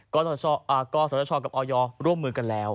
กศชกับออยร่วมมือกันแล้ว